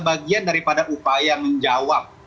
bagian daripada upaya menjawab